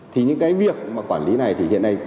thì những cái việc mà quản lý này thì hiện nay